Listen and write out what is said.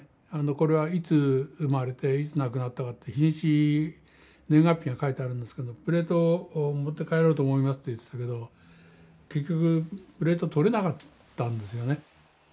これはいつ生まれていつ亡くなったかって日にち年月日が書いてあるんですけど「プレートを持って帰ろうと思います」って言ってたけど結局プレート取れなかったんですよね。